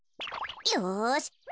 よし！